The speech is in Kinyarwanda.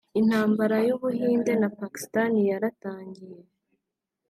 Intambara y’ubuhinde na Pakistan yaratangiye